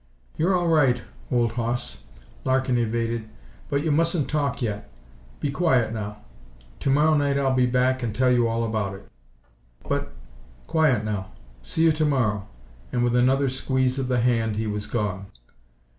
"You're all right, old hoss," Larkin evaded, "but you mustn't talk yet. Be quiet now. To morrow night I'll be back and tell you all about it." "But " "Quiet now! See you to morrow," and with another squeeze of the hand he was gone.